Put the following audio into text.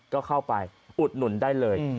ก็เข้าไปอุดหนุนได้เลย